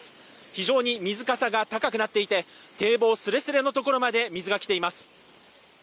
非常に水かさが高くなっていて、堤防すれすれのところまで水が来ています。